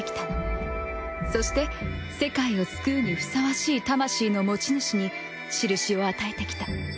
そして世界を救うにふさわしい魂の持ち主にしるしを与えてきた。